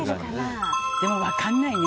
でも分かんないね